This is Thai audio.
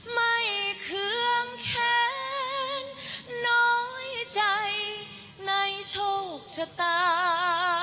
ไม่เครื่องแข็งน้อยใจในโชคชะตา